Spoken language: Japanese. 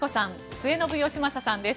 末延吉正さんです。